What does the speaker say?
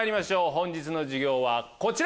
本日の授業はこちら！